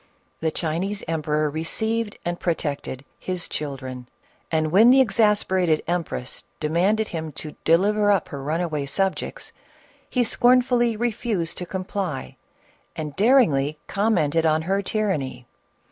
The Chinese emperor received and protected " his children," and when the exasper ated empress demanded him to deliver up her run away subjects, he scornfully refused to comply and daringly commented on her tyranny.